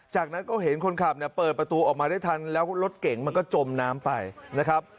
จากนั้นก็เห็นคนขับเนี่ยเปิดประตูออกมาได้ทันแล้วรถเก๋งมันก็จมน้ำไปนะครับ